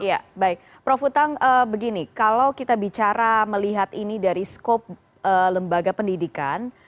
ya baik prof utang begini kalau kita bicara melihat ini dari skop lembaga pendidikan